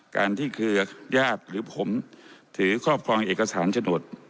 การที่เครือญาติหรือผมถือครอบครองเอกสารฉนด